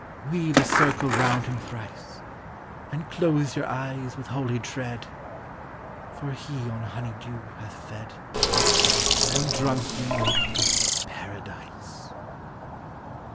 Weave a circle round him thrice, And close your eyes with holy dread, For he on honey de w hath fed, And drunk the milk of Paradise.